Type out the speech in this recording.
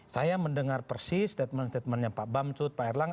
saya mendengar persis statement statementnya pak bamsud pak erlang